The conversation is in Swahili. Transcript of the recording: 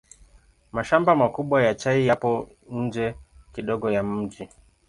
Mashamba makubwa ya chai yapo nje kidogo ya mji.